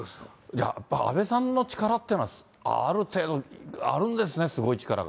やっぱ安倍さんの力ってのは、ある程度、あるんですね、すごい力が。